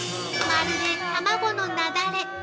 まるで卵のなだれ